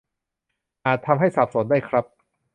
อาจทำให้สับสนได้ครับ